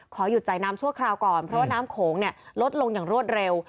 ขอหยุดจ่ายน้ำชั่วคราวก่อนเพราะว่าน้ำโขงลดลงอย่างรวดเร็ว